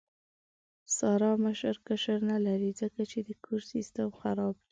ساره مشر کشر نه لري، ځکه یې د کور سیستم خراب دی.